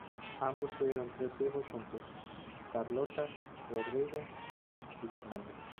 Ambos tuvieron tres hijos juntos: Carlota, Rodrigo y Fernando.